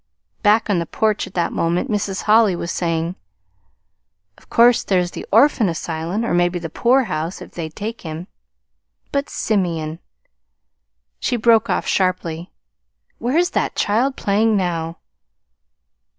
Back on the porch at that moment Mrs. Holly was saying: "Of course there's the orphan asylum, or maybe the poorhouse if they'd take him; but Simeon," she broke off sharply, "where's that child playing now?"